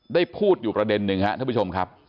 ได้พูดอยู่ประเด็นหนึ่งครับท่านผู้ชมครับ